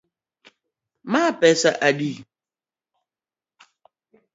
Ma pesa adi